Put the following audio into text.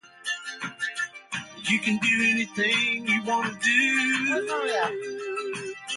Cristina Vee directed the voice actors as well as participated in the soundtrack.